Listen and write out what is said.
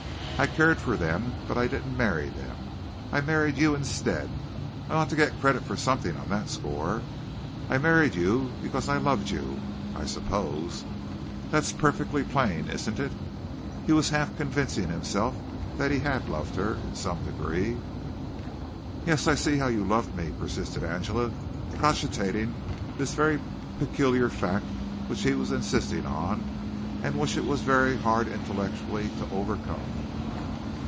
I cared for them, but I didn't marry them. I married you instead. I ought to get credit for something on that score. I married you because I loved you, I suppose. That's perfectly plain, isn't it?" He was half convincing himself that he had loved her in some degree. "Yes, I see how you love me," persisted Angela, cogitating this very peculiar fact which he was insisting on and which it was very hard intellectually to overcome.